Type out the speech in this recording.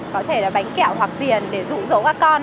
có thể là bánh kẹo hoặc tiền để dụ dỗ các con